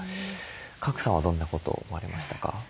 賀来さんはどんなことを思われましたか？